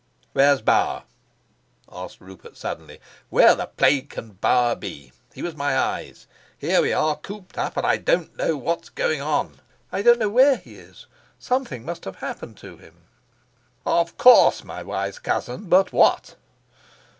"Where's Bauer?" asked Rupert suddenly. "Where the plague can Bauer be? He was my eyes. Here we are, cooped up, and I don't know what's going on." "I don't know where he is. Something must have happened to him." "Of course, my wise cousin. But what?"